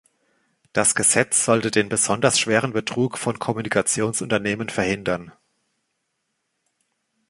Das Gesetz sollte den besonders schweren Betrug von Kommunikationsunternehmen verhindern.